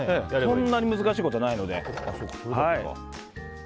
そんなに難しいことはないので。